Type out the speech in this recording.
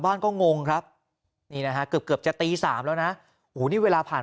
บ้านก็งงครับนี่นะฮะเกือบจะตี๓แล้วนะโอ้โหนี่เวลาผ่าน